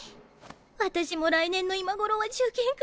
私も来年の今頃は受験か。